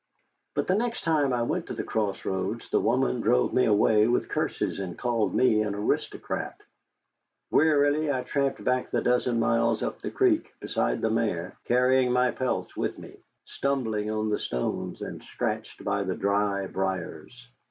But the next time I went to the Cross Roads the woman drove me away with curses, and called me an aristocrat. Wearily I tramped back the dozen miles up the creek, beside the mare, carrying my pelts with me; stumbling on the stones, and scratched by the dry briers.